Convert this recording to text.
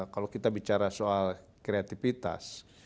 kalau kita bicara soal kreativitas